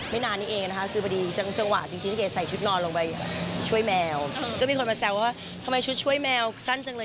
พูดยอดสมควรแล้วกับการเดินทาง